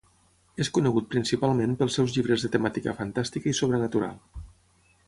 És conegut principalment pels seus llibres de temàtica fantàstica i sobrenatural.